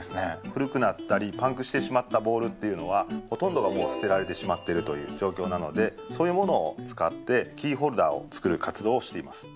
古くなったりパンクしてしまったボールっていうのはほとんどがもう捨てられてしまっているという状況なのでそういうものを使ってキーホルダーを作る活動をしています。